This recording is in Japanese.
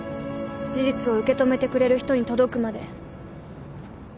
事実を受け止めてくれる人に届くまで。